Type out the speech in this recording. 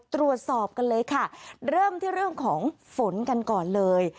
ตรวจสอบกันเลยค่ะเริ่มที่เรื่องของฝนกันก่อนเลย